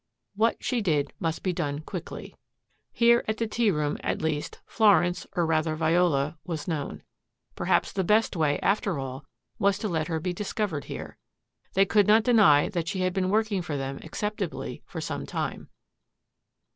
What she did must be done quickly. Here at the tea room at least Florence, or rather Viola, was known. Perhaps the best way, after all, was to let her be discovered here. They could not deny that she had been working for them acceptably for some time.